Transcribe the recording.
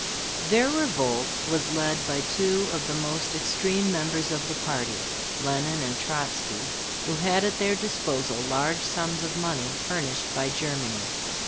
Their revolt was led by two of the most extreme members of the party, Lenine and Trotzky, who had at their disposal large sums of money furnished by Germany.